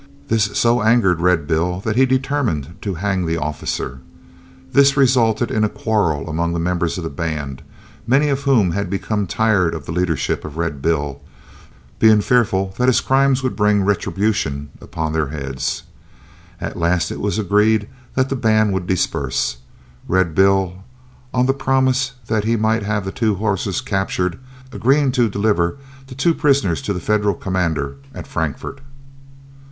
This so angered Red Bill that he determined to hang the officer. This resulted in a quarrel among the members of the band, many of whom had become tired of the leadership of Red Bill, being fearful that his crimes would bring retribution on their heads. At last it was agreed that the band would disperse, Red Bill, on the promise that he might have the two horses captured, agreeing to deliver the two prisoners to the Federal commander at Frankfort.